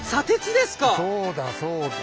そうだそうだ。